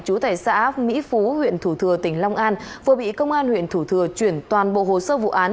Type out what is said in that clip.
chú tại xã mỹ phú huyện thủ thừa tỉnh long an vừa bị công an huyện thủ thừa chuyển toàn bộ hồ sơ vụ án